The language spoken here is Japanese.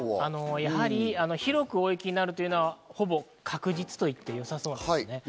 やはり広く大雪になるというのは、ほぼ確実と言ってよさそうですね。